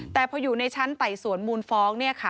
แต่พออยู่ในชั้นไต่สวนมูลฟ้อง